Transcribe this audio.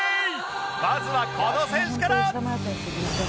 まずはこの選手から！